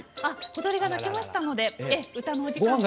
小鳥が鳴きましたのでええ歌のお時間と。